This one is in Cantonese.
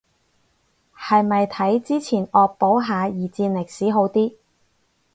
係咪睇之前惡補下二戰歷史好啲